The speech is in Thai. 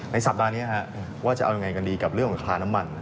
สัปดาห์นี้ว่าจะเอายังไงกันดีกับเรื่องราคาน้ำมัน